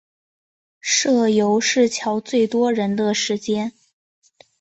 社游是乔最多人的时间